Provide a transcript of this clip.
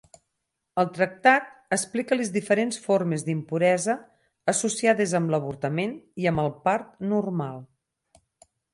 El tractat explica les diferents formes d'impuresa associades amb l'avortament i amb el part normal.